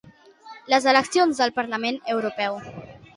Les eleccions al Parlament Europeu.